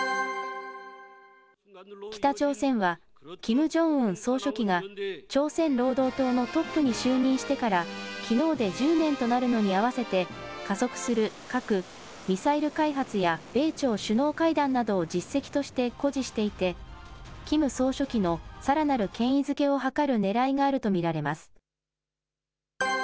北朝鮮は、キム・ジョンウン総書記が朝鮮労働党のトップに就任してからきのうで１０年となるのに合わせて、加速する核・ミサイル開発や米朝首脳会談などを実績として誇示していて、キム総書記のさらなる権威づけを図るねらいがあると見ら